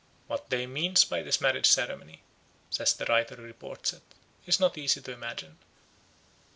"What they meant by this marriage ceremony," says the writer who reports it, "it is not easy to imagine.